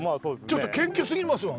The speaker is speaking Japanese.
ちょっと謙虚すぎますもん！